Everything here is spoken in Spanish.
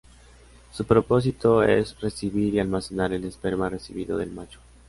Su propósito es recibir y almacenar el esperma recibido del macho.